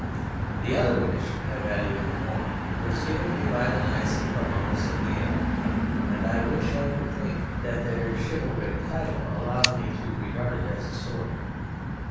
The other, which I value even more, was given me by the Knights of Columbus at Yale, and I wish I could think that their chivalric title allowed me to regard it as a sword.